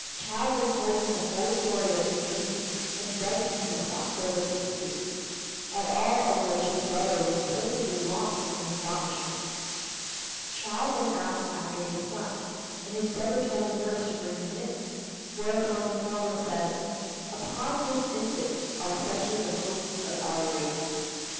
Chou then told him the whole story of his dream, and begged him to stop further proceedings; at all of which his brother was perfectly lost in astonishment. Chou then asked after his son, and his brother told the nurse to bring him in; whereupon the former said, "Upon this infant are centered the hopes of our race.